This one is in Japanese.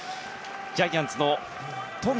ジャイアンツの戸郷